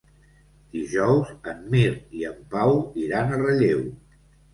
Dijous en Mirt i en Pau iran a Relleu.